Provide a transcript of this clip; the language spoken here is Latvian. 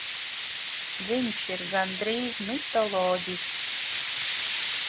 Viņš ir gandrīz mitoloģisks.